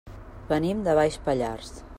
Venim de Baix Pallars.